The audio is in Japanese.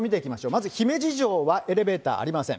まず姫路城はエレベーターありません。